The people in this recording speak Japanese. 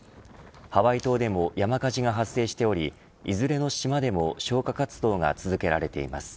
ハワイ島でも山火事が発生しておりいずれの島でも消火活動が続けられています。